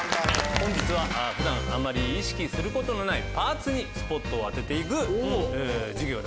本日は普段あまり意識することのないパーツにスポットを当てて行く授業。